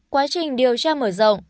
quá trình điều tra mở rộng